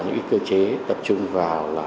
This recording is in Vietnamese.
những cơ chế tập trung vào